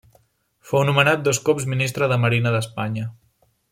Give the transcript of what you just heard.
Fou nomenat dos cops Ministre de Marina d'Espanya.